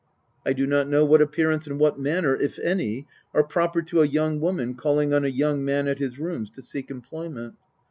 I do not know what appearance and what manner, if any, are proper to a young woman calling on a young man at his rooms to seek employment.